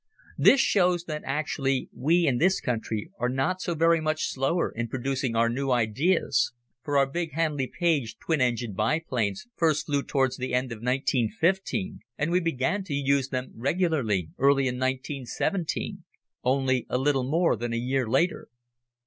This shows that actually we in this country are not so very much slower in producing our new ideas, for our big Handley Page twin engined biplanes first flew towards the end of 1915, and we began to use them regularly early in 1917 only a little more than a year later.